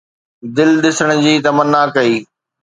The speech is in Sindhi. دل ڏسڻ جي تمنا ڪئي